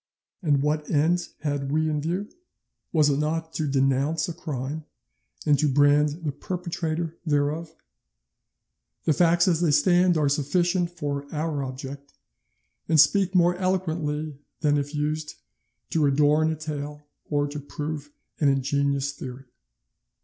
And what end had we in view? Was it not to denounce a crime and to brand the perpetrator thereof? The facts as they stand are sufficient for our object, and speak more eloquently than if used to adorn a tale or to prove an ingenious theory.